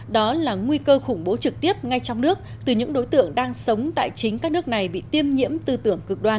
đó là nguy cơ khủng bố trực tiếp ngay trong nước từ những đối tượng đang sống tại chính các nước này bị tiêm nhiễm tư tưởng cực đoan